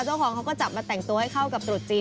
เขาก็จับมาแต่งตัวให้เข้ากับตรุษจีน